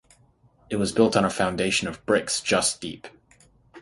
It was built on a foundation of bricks just deep.